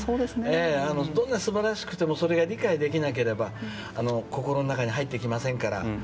どんなに素晴らしくてもそれが理解できなければ心の中に入ってきませんから。